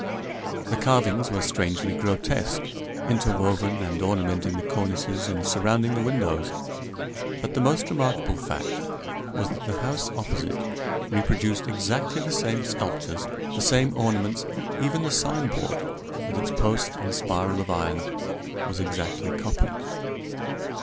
The carvings were strangely grotesque, interwoven and ornamenting the cornices and surrounding the windows; but the most remarkable fact was that the house opposite reproduced exactly the same sculptures, the same ornaments; even the signboard, with its post and spiral of iron, was exactly copied.